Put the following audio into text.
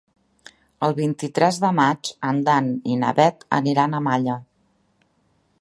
El vint-i-tres de maig en Dan i na Bet aniran a Malla.